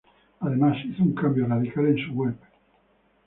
Además hizo un cambio radical en su web.